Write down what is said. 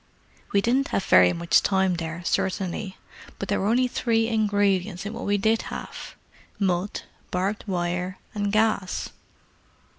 We didn't have very much time there, certainly, but there were only three ingredients in what we did have—mud, barbed wire, and gas."